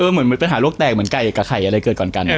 เหมือนปัญหาโรคแตกเหมือนไก่กับไข่อะไรเกิดก่อนกัน